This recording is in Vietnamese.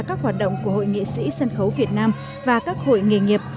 các hoạt động của hội nghệ sĩ sân khấu việt nam và các hội nghề nghiệp